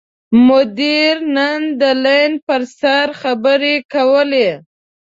مدیر نن د لین پر سر خبرې کولې.